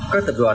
các tập đoàn